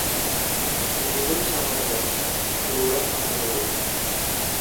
Ke gunung sama mendaki, ke lurah sama menurun